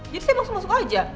jadi saya langsung masuk aja